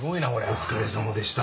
お疲れさまでした。